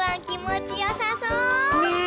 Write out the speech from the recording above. きもちよさそう！ね。